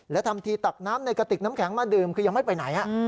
และทำทีตักน้ำในกระติกน้ำแข็งมาดื่มคือยังไม่ไปไหน